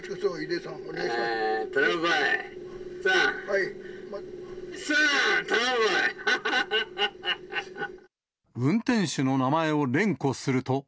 さん、運転手の名前を連呼すると。